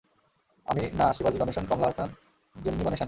আমি না, শিবাজি গণেশন, কমলা হাসান, জেমনি গণেশান।